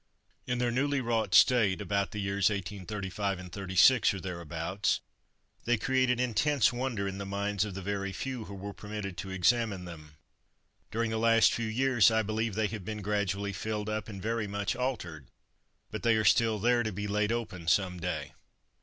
In their newly wrought state, about the years 1835 and '36, or thereabouts, they created intense wonder in the minds of the very few who were permitted to examine them. During the last few years, I believe they have been gradually filled up and very much altered, but they are still there to be laid open some day.